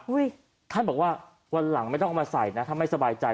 ท่านบอกว่าวันหลังไม่ต้องเอามาใส่นะถ้าไม่สบายใจ